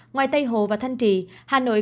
ngoài tây hồ và thanh trì hà nội